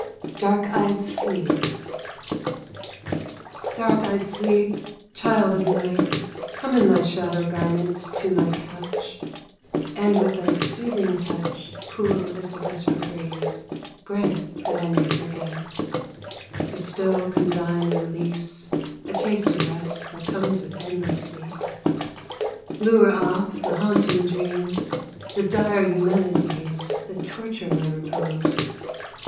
DARK EYED SLEEP Dark eyed Sleep, child of Night, Come in thy shadow garment to my couch, And with thy soothing touch, Cool as the vesper breeze, Grant that I may forget; Bestow condign release, A taste of rest that comes with endless sleep; Lure off the haunting dreams, The dire Eumenides That torture my repose.